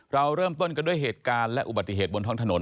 เราเริ่มต้นกันด้วยเหตุการณ์และอุบัติเหตุบนท้องถนน